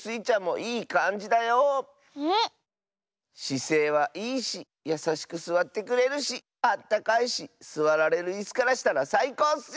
しせいはいいしやさしくすわってくれるしあったかいしすわられるいすからしたらさいこうッス！